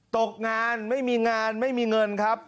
ตกงานไม่มีงานไม่มีเงินครับ